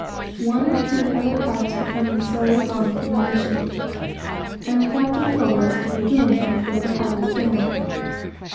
One or two other carts were coming slowly on from the mission, and the captain told us to begin and throw the hides down.